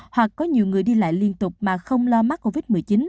hoặc có nhiều người đi lại liên tục mà không lo mắc covid một mươi chín